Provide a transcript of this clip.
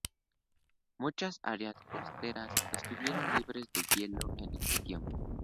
Muchas áreas costeras estuvieron libres de hielo en este tiempo.